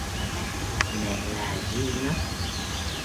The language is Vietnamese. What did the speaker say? Mẹ là duy nhất